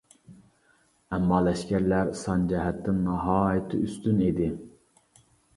ئەمما، لەشكەرلەر سان جەھەتتىن ناھايىتى ئۈستۈن ئىدى.